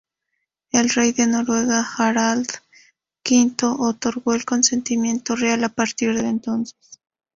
El Rey de Noruega, Harald V, otorgó el consentimiento real a partir de entonces.